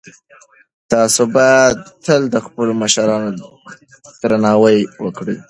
تاسو باید تل د خپلو مشرانو درناوی وکړئ.